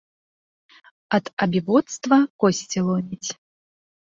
Ад абібоцтва косці ломіць.